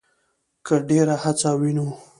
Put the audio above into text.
کې ډېره هڅه وينو